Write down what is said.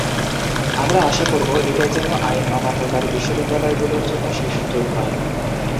আমরা আশা করব, এটাই যেন আইন অমান্যকারী বিশ্ববিদ্যালয়গুলোর জন্য শেষ সুযোগ হয়।